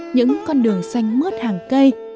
những con đường xanh mướt hàng cây